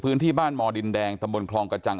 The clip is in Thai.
พื้นที่บ้านมดินแดงตำบลคลองกระจัง